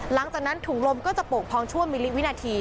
หลังจากนั้นถุงลมก็จะโป่งพองช่วงมิลลิวินาที